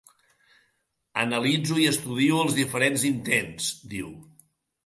Analitzo i estudio els diferents intents, diu.